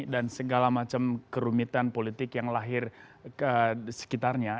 dan segala macam kerumitan politik yang lahir sekitarnya